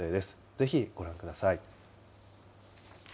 ぜひご覧ください。